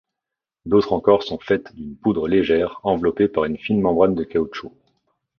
D'autres encore sont faites d'une poudre légère enveloppée par une fine membrane de caoutchouc.